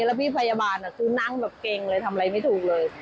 แล้วก็พี่พยาบาลอ่ะคือนั่งเกร็งอะไรไม่ถูกเลย